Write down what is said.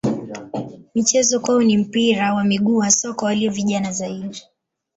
Michezo kwao ni mpira wa miguu hasa kwa walio vijana zaidi.